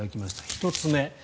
１つ目。